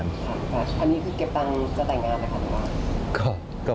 อันนี้คือเก็บตังค์กับแต่งงานหรือครับ